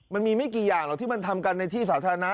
มันมีไม่กี่อย่างหรอกที่มันทำกันในที่สาธารณะ